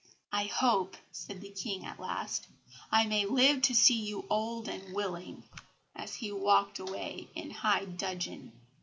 "I hope," said the King at last, "I may live to see you old and willing," as he walked away in high dudgeon.